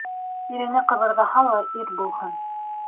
Ирене ҡыбырҙаһа ла ир булһын.